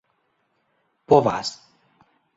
povas